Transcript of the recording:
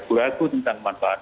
aku ragu tentang manfaat